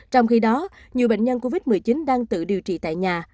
trong khi đó nhiều bệnh nhân covid một mươi chín đang tự điều trị tại nhà